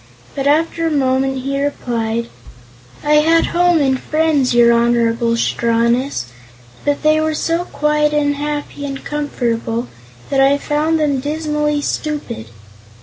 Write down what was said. But after a moment he replied: "I had home and friends, your Honorable Strawness, but they were so quiet and happy and comfortable that I found them dismally stupid.